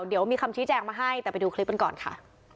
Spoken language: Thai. เดี๋ยวมีคำชี้แจงมาให้แต่ไปดูคลิปกันก่อนค่ะ